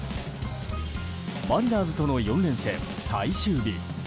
マリナーズとの４連戦最終日。